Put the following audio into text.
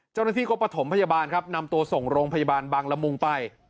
เจ้าหน้าที่ก็ประถมพยาบาลครับนำตัวส่งโรงพยาบาลบางละมุงไป